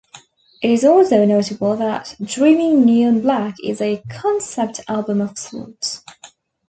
It is also notable that "Dreaming Neon Black" is a concept album of sorts.